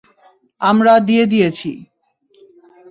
আমরা দিয়ে দিয়েছি।